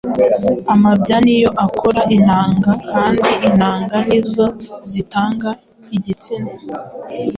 Amabya niyo akora intanga kandi intanga nizo zitanga igitsina